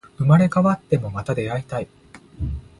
生まれ変わっても、また出会いたい